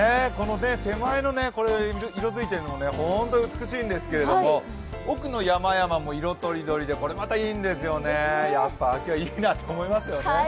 手前の色づいているのが本当に美しいんですけれども、奥の山々も色とりどりでこれまたいいんですよね、やっぱり秋はいいなと思いますよね。